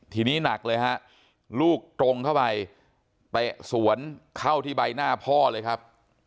ทีนี้หนักเลยฮะลูกตรงเข้าไปเตะสวนเข้าที่ใบหน้าพ่อเลยครับ